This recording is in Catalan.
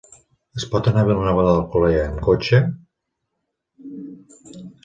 Es pot anar a Vilanova d'Alcolea amb cotxe?